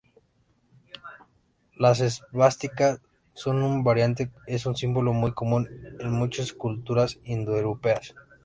La esvástica, con sus variantes, es un símbolo muy común en muchas culturas indoeuropeas.